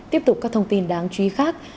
tiếp tục các thông tin đáng chú ý khác